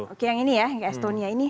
oke yang ini ya yang estonia ini